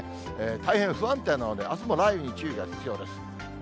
大変不安定なので、あすも雷雨に注意が必要です。